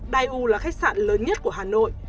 dai u là khách sạn lớn nhất của hà nội